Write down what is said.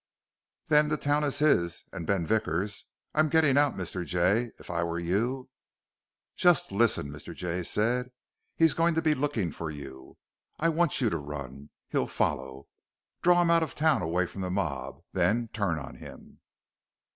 "Then the town is his and Ben Vickers'. I'm getting out, Mr. Jay. If I were you...." "Just listen," Mr. Jay said. "He's going to be looking for you. I want you to run. He'll follow. Draw him out of town away from the mob. Then turn on him."